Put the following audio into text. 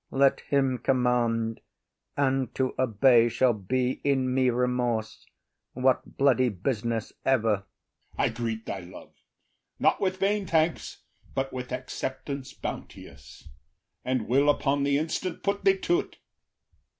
Let him command, And to obey shall be in me remorse, What bloody business ever. [They rise.] OTHELLO. I greet thy love, Not with vain thanks, but with acceptance bounteous, And will upon the instant put thee to ’t.